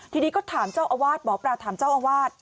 ทีนี้ก็ถามเจ้าอาวาสหมอปลาถามเจ้าอาวาส